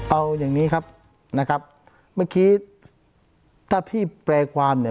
เอาอย่างนี้ครับนะครับเมื่อกี้ถ้าที่แปลความเนี่ย